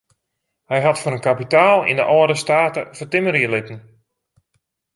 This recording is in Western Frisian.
Hy hat foar in kapitaal yn de âlde state fertimmerje litten.